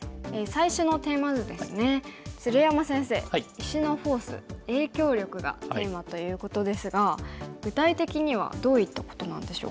石のフォース影響力がテーマということですが具体的にはどういったことなんでしょうか？